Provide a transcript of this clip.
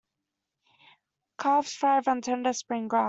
Calves thrive on tender spring grass.